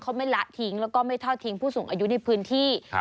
เขาไม่ละทิ้งแล้วก็ไม่ทอดทิ้งผู้สูงอายุในพื้นที่